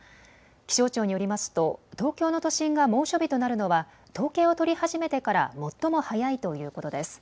気象庁によりますと東京の都心が猛暑日となるのは統計を取り始めてから最も早いということです。